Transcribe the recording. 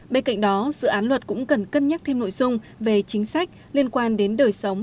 bên cạnh đó dự án luật cũng cần cân nhắc thêm nội dung về chính sách liên quan đến đời sống